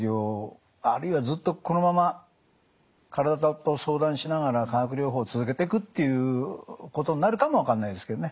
あるいはずっとこのまま体と相談しながら化学療法を続けてくっていうことになるかも分かんないですけどね。